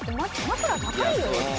枕高いよ